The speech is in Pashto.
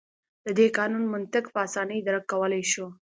د دې قانون منطق په اسانۍ درک کولای شو.